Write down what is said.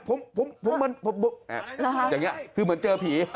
พุ่มเหมือนเจอผี